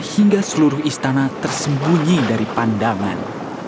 hingga seluruh istana tersembunyi dari pandangan